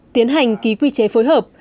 tiến hành ký quy chế phối hợp